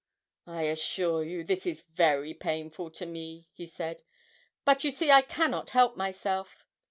'I assure you this is very painful to me,' he said, 'but you see I cannot help myself.